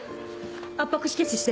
圧迫止血して。